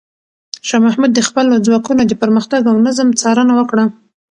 شاه محمود د خپلو ځواکونو د پرمختګ او نظم څارنه وکړه.